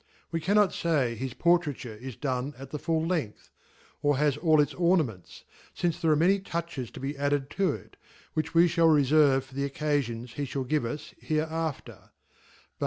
We cannot fay his Portraiture is done at the full length , or has all its Orna wents , ffnee there are many touches t* be added to it\ which we fhall referve for the occafions he /hall give us hereafter* Sut.